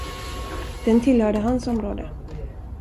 Den tillhörde hans område.